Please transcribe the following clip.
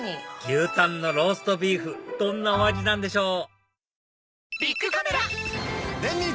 牛たんのローストビーフどんなお味なんでしょう？